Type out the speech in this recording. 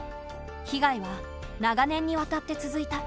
被害は長年にわたって続いた。